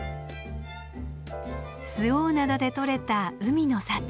周防灘でとれた海の幸。